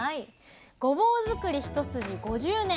ごぼうづくり一筋５０年。